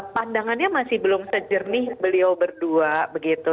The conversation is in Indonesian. pandangannya masih belum sejernih beliau berdua begitu